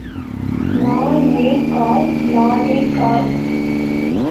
நால் ஏ கால் நாலே கால்.